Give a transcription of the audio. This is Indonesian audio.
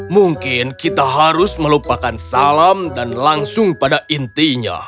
mungkin kita harus melupakan salam dan langsung pada intinya